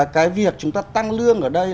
cái việc chúng ta tăng lương ở đây